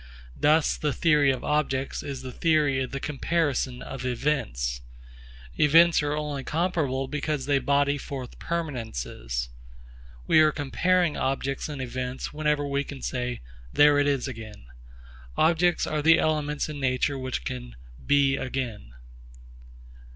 Thus the theory of objects is the theory of the comparison of events. Events are only comparable because they body forth permanences. We are comparing objects in events whenever we can say, 'There it is again.' Objects are the elements in nature which can 'be again.'